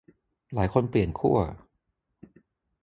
หลายคนเปลี่ยนขั้ว